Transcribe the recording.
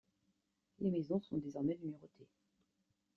Les maisons sont désormais numérotées.